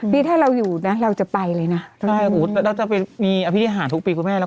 พี่ถ้าเราอยู่นะเราจะไปเลยนะใช่เราจะไปมีอภิษฐานทุกปีคุณแม่